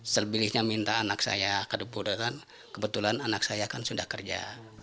selebihnya minta anak saya kebetulan anak saya kan sudah kerja